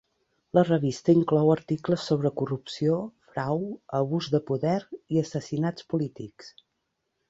La revista inclou articles sobre corrupció, frau, abús de poder i assassinats polítics.